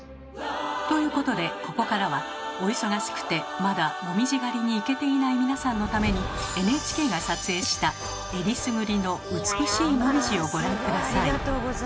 ということでここからはお忙しくてまだもみじ狩りに行けていない皆さんのためにＮＨＫが撮影したえりすぐりの美しいもみじをご覧下さい。